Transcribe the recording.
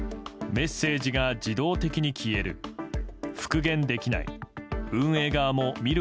メッセージが自動的に消える。